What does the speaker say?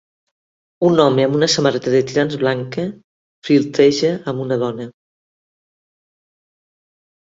Un home amb una samarreta de tirants blanca flirteja amb una dona.